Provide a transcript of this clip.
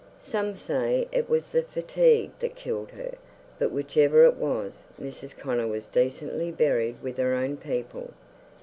Some say it was the fatigue that killed her, but whichever it was, Mrs. Connor was decently buried with her own people.